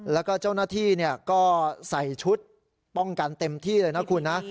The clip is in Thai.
แล้วก็เจ้าหน้าที่ก็ใส่ชุดป้องกันเต็มที่เลยนะคุณนะ